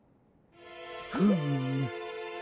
フーム。